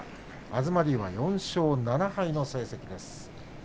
東龍は４勝７敗という成績です。